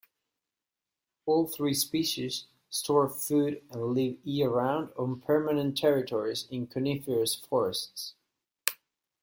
All three species store food and live year-round on permanent territories in coniferous forests.